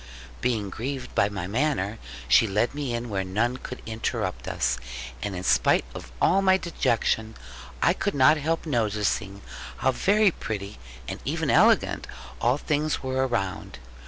Being grieved at my manner, she led me in where none could interrupt us; and in spite of all my dejection, I could not help noticing how very pretty and even elegant all things were around.